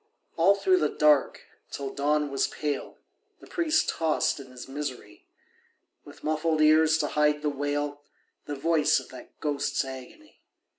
All through the dark, till dawn was pale, The priest tossed in his misery, With muffled ears to hide the wail, The voice of that ghost's agony.